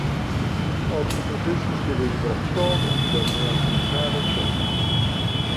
Avslutningsvis beskriver vi våra förslag och bedömningar samt skälen till dessa.